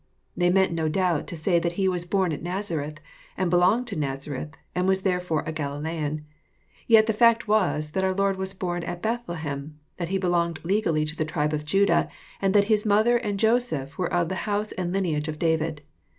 They meant no doubt to say that He was born at Nazareth, and belonged to Nazareth, and was therefore a Galilean. Yet the fact was, that our Lord was bom at Bethlehem, that He belonged legally to the tribe of Judab, and that His mother and Joseph were of the house and lineage of David.